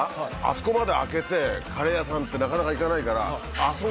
そこまで開けてカレー屋さんってなかなか行かないから。